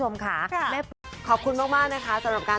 แม่ผึ้งดีกว่า